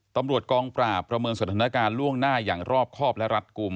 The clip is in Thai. ตำรวจกองปราบประเมินสถานการณ์ล่วงหน้าอย่างรอบครอบและรัดกลุ่ม